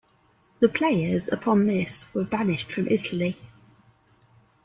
The players, upon this, were banished from Italy.